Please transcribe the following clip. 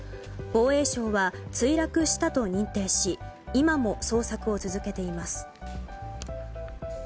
防衛省は墜落したと認定し今も捜索を続けています。